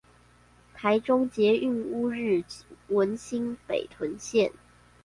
臺中捷運烏日文心北屯線